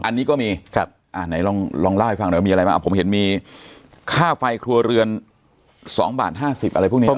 อันนี้ก็มีไหนลองเล่าให้ฟังหน่อยมีอะไรบ้างผมเห็นมีค่าไฟครัวเรือน๒บาท๕๐อะไรพวกนี้